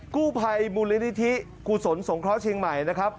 กู้ภัยมูลนิธิกุศลสงเคราะห์เชียงใหม่นะครับ